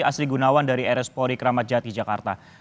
asri gunawan dari rs polri keramat jati jakarta